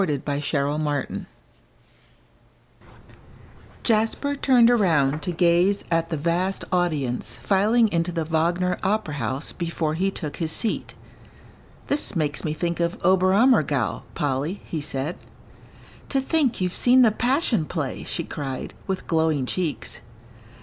XVIII BAYREUTH AND OLD FRIENDS Jasper turned around to gaze at the vast audience filing into the Wagner Opera House before he took his seat. "This makes me think of Oberammergau, Polly," he said. "To think you've seen the Passion Play," she cried, with glowing cheeks.